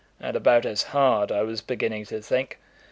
"And about as hard, I was beginning to think."